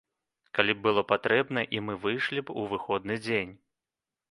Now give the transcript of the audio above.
Калі б было патрэбна, і мы выйшлі б у выходны дзень.